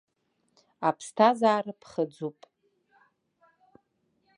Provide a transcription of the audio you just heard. Аԥсҭазаара ԥхыӡуп.